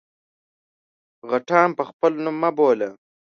_غټان په خپل نوم مه بوله!